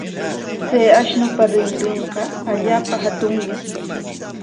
Chay ashnupa rinrinqa allaapa hatunmi.